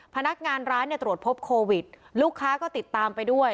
พนักงานร้านเนี่ยตรวจพบโควิดลูกค้าก็ติดตามไปด้วย